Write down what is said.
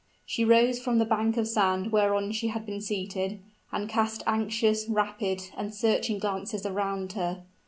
She rose from the bank of sand whereon she had been seated, and cast anxious, rapid, and searching glances around her.